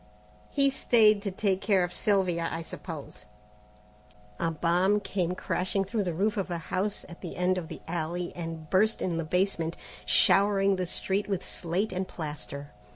"He stayed to take care of Sylvia, I suppose." A bomb came crashing through the roof of a house at the end of the alley and burst in the basement, showering the street with slate and plaster.